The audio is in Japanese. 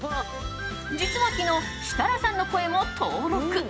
実は昨日、設楽さんの声も登録。